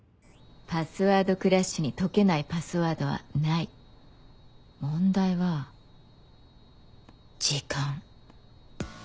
パスワードクラッシュに解けないパスワードはない問題は時間